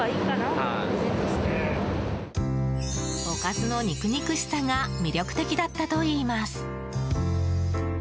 おかずの肉肉しさが魅力的だったといいます。